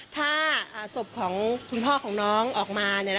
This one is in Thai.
ถ้าศพของคุณพ่อของน้องออกมา